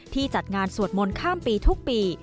จัดงานสวดมนต์ข้ามปีทุกปี